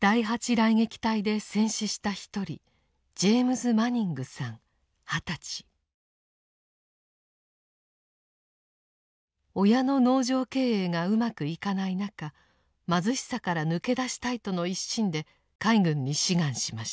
雷撃隊で戦死した一人親の農場経営がうまくいかない中貧しさから抜け出したいとの一心で海軍に志願しました。